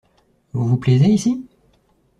Vous vous plaisez ici ?